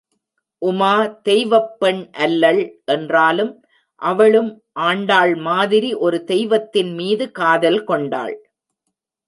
உமா தெய்வப் பெண் அல்லள் என்றாலும் அவளும் ஆண்டாள் மாதிரி ஒரு தெய்வத்தின் மீது காதல் கொண்டாள்.